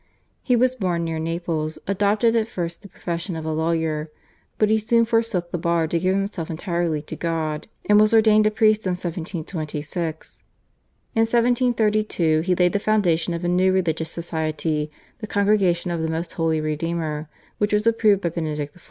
He was born near Naples, adopted at first the profession of a lawyer, but he soon forsook the bar to give himself entirely to God, and was ordained a priest in 1726. In 1732 he laid the foundation of a new religious society, the Congregation of the Most Holy Redeemer, which was approved by Benedict XIV.